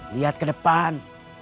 lihat ke depan